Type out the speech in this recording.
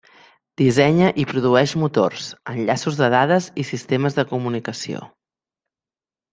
Dissenya i produeix motors, enllaços de dades i sistemes de comunicació.